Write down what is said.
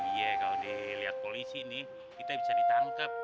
iya kalau dilihat polisi nih kita bisa ditangkap